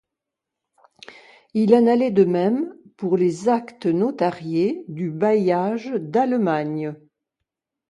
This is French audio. Il en allait de même pour les actes notariés du bailliage d'Allemagne.